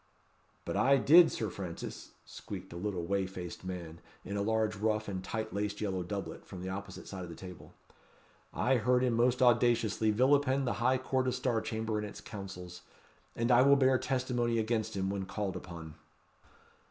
"But I did, Sir Francis," squeaked a little whey faced man, in a large ruff and tight laced yellow doublet, from the opposite side of the table; "I heard him most audaciously vilipend the high court of Star Chamber and its councils; and I will bear testimony against him when called upon."